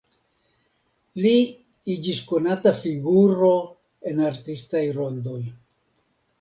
Li iĝis konata figuro en artistaj rondoj.